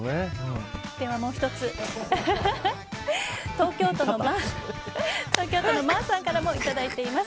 もう１つ、東京都の方からもいただいています。